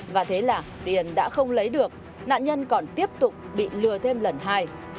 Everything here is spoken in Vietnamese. và thế là tiền đã không lấy được nạn nhân còn tiếp tục bị lừa thêm lần hai